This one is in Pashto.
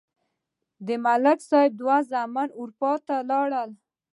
د ملک صاحب دوه زامن اروپا ته لاړل.